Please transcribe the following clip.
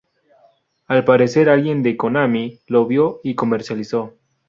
Al parecer alguien de Konami lo vio y comercializó.